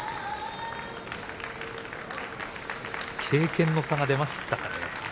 経験の差が出ましたか。